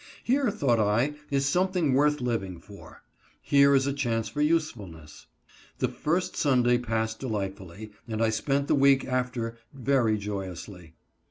Here, thought I, is something worth living for. Here is a chance for usefulness. The first Sunday passed delightfully, and I spent the week after very joyously.